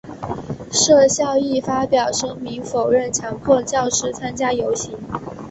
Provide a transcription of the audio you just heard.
设校亦发表声明否认强迫教师参加游行。